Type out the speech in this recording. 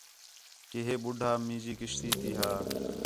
کہ ہِے ٻُڈّھا مَیں جی کشتی تی ھا